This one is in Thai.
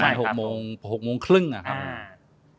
ใช่ประมาณ๖โมงครึ่งนะครับ